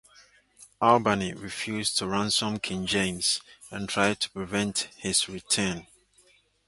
Albany refused to ransom King James and tried to prevent his return.